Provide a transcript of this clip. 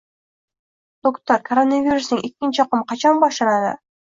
- Doktor, koronavirusning ikkinchi oqimi qachon boshlanadi?